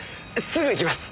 すぐ行きます。